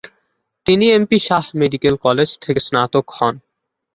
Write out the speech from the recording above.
তিনি M P Shah medical college থেকে স্নাতক হন।